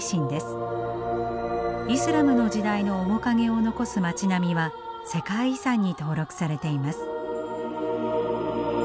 イスラムの時代の面影を残す町並みは世界遺産に登録されています。